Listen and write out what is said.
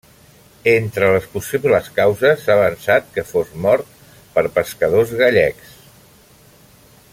Entre les possibles causes, s'ha avançat que fos mort per pescadors gallecs.